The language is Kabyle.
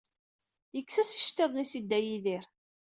Yekkes-as iceṭṭiḍen-is i Dda Yidir.